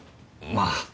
まあ。